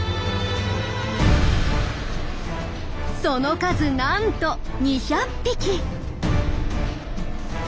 その数なんと２００匹！